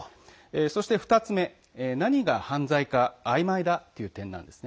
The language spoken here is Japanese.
２つ目、何が犯罪かあいまいだという点なんです。